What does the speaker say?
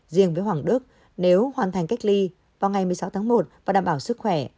riêng với hoàng đức nếu hoàn thành cách ly vào ngày một mươi sáu tháng một và đảm bảo sức khỏe